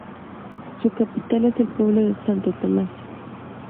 Su capital es el pueblo de Santo Tomás.